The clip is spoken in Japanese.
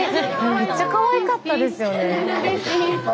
めっちゃかわいかったですよね。